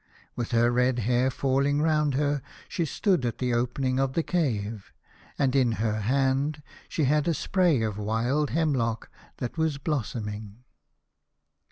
With her red hair falling around her, she stood at the opening of the cave, and in her hand she had a spray of wild hemlock that was blossoming.